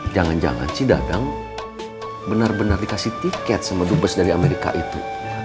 jangan jangan cik dadang benar benar dikasih tiket sama dubus dari amerika itu